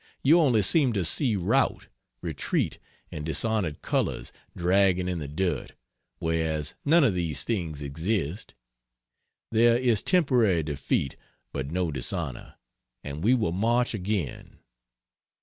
You only seem to see rout, retreat, and dishonored colors dragging in the dirt whereas none of these things exist. There is temporary defeat, but no dishonor and we will march again.